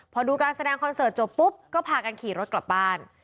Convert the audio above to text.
พอดูการแสดงคอนเสิร์ตจบปุ๊บก็พากันขี่รถกลับบ้าน